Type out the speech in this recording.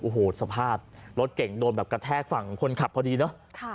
โอ้โหสภาพรถเก่งโดนแบบกระแทกฝั่งคนขับพอดีเนอะ